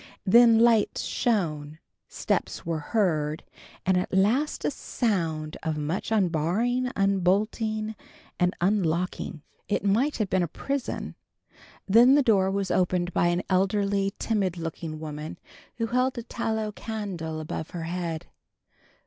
Then lights shone, steps were heard, and at last a sound of much unbarring, unbolting, and unlocking. It might have been a prison. Then the door was opened by an elderly, timid looking woman, who held a tallow candle above her head.